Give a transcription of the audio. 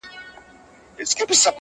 چي هر ځای به څو مرغان سره جرګه سوه!!